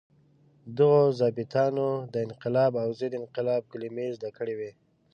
دغو ظابیطانو د انقلاب او ضد انقلاب کلمې زده کړې وې.